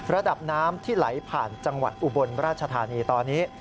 ระดับน้ำที่ไหลผ่านจังหวัดอุบลราชธานีตอนนี้